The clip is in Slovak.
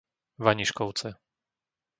Vaniškovce